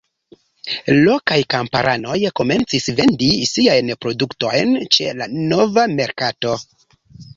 Lokaj kamparanoj komencis vendi siajn produktojn ĉe la nova merkato.